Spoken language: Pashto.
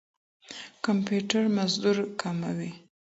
کمپيوټر مزدوري کموي.